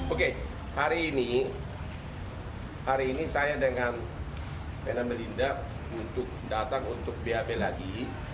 oke hari ini saya dengan vena melinda datang untuk bap lagi